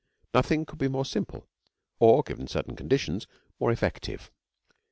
Nothing could be more simple or, given certain conditions, more effective.